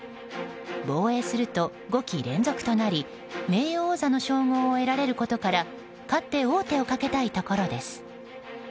防衛すると５期連続となり名誉王座の称号を得られることから勝って王手をかけたいところです。